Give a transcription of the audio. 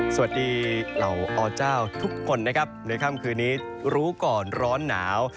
สวัสดีเหล่าอเจ้าทุกคนนะครับในค่ำคืนนี้รู้ก่อนร้อนหนาว